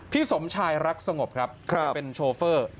สมชายรักสงบครับเป็นโชเฟอร์